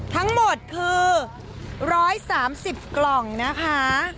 ทั้งหมดคือ๑๓๐กล่องนะคะ